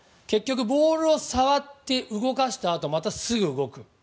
ボールを触って動かしたあとまたすぐ動く。